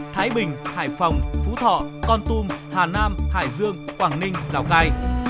thái bình hải phòng phú thọ con tum hà nam hải dương quảng ninh lào cai